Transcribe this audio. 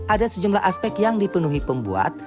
ada sejumlah aspek yang dipenuhi pembuat